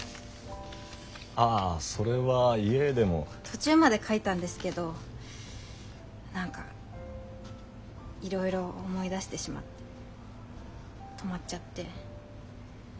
途中まで書いたんですけど何かいろいろ思い出してしまって止まっちゃって。